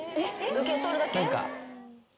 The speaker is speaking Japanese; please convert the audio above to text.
受け取るだけ？